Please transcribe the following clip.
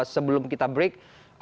sebelum kita break